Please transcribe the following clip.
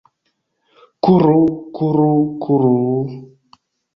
Kuru, kuru, kuru...